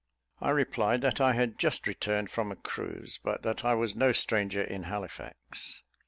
I replied that I had just returned from a cruise, but that I was no stranger in Halifax.